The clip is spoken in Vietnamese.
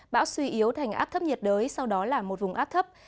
bão suy yếu thành áp thấp nhiệt đới sau đó là một vùng áp thấp